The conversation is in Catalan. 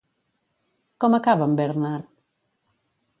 Com acaba en Bernard?